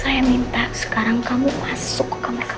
saya minta sekarang kamu masuk ke kamar kamu